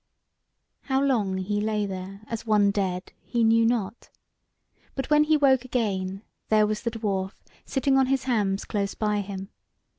How long he lay there as one dead, he knew not, but when he woke again there was the dwarf sitting on his hams close by him.